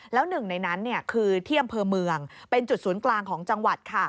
แล้วหนึ่งในนั้นคือที่อำเภอเมืองเป็นจุดศูนย์กลางของจังหวัด